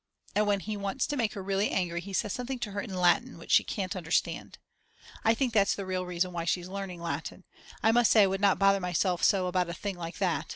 And when he wants to make her really angry he says something to her in Latin which she can't understand. I think that's the real reason why she's learning Latin. I must say I would not bother myself so about a thing like that.